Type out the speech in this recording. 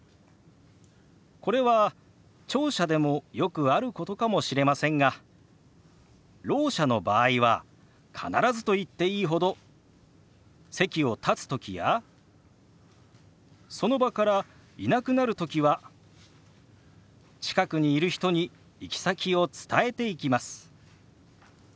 これは聴者でもよくあることかもしれませんがろう者の場合は必ずと言っていいほど席を立つときやその場からいなくなるときは近くにいる人に行き先を伝えていきます。